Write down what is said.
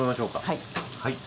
はい。